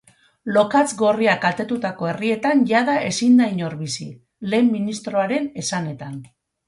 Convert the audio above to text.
Lokatz gorriak kaltetutako herrietan jada ezin da inor bizi, lehen ministroaren esanetan.